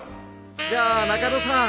じゃあ中野さん。